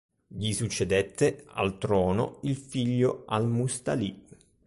Gli succedette al trono il figlio al-Musta'li.